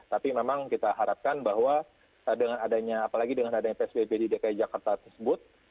tapi memang kita harapkan bahwa dengan adanya apalagi dengan adanya psbb di dki jakarta tersebut